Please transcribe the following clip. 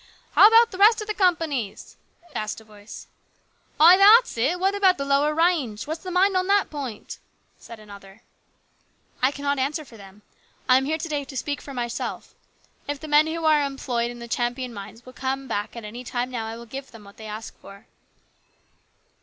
" How about the rest of the companies ?" asked a voice. " Ay, that's it. How about the lower range ? What's the mind on that point?" said another. " I cannot answer for them. I am here to day to speak for myself. If the men who are employed in the Champion mines will come back at any time now I will give them what they ask for."